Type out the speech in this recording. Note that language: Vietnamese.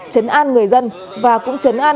chấn an người dân và cũng chấn an